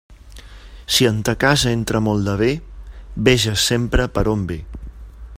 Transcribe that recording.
Si en ta casa entra molt de bé, veges sempre per on ve.